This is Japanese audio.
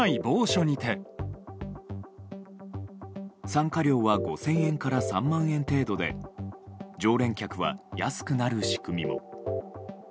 参加料は５０００円から３万円程度で常連客は、安くなる仕組みも。